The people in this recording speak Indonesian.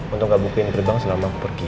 untuk gak bukain gerbang selama aku pergi ya